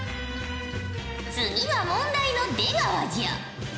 次は問題の出川じゃ。